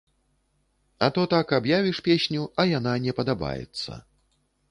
А то так аб'явіш песню, а яна не падабаецца.